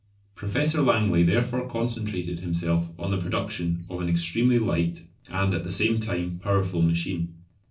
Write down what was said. Professor Langley therefore concentrated himself on the production of an extremely light and at the same time powerful machine.